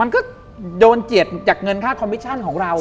มันก็โดนเจียดจากเงินค่าคอมมิชชั่นของเรา